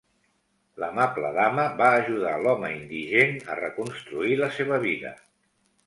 L'amable dama va ajudar l'home indigent a reconstruir la seva vida.